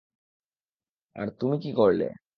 আর তুমি কি করলে?